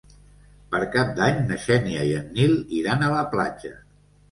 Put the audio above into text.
Per Cap d'Any na Xènia i en Nil iran a la platja.